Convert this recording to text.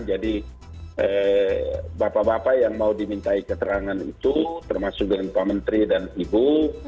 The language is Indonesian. jadi bapak bapak yang mau dimintai keterangan itu termasuk dengan pak menteri dan ibu